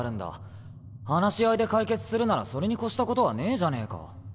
話し合いで解決するならそれに越したことはねえじゃねぇか。